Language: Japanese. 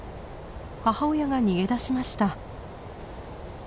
母親が逃げ出しました。